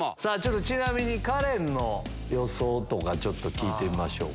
ちなみにカレンの予想とかちょっと聞いてみましょうか。